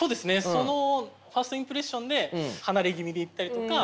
そのファーストインプレッションで離れ気味でいったりとか。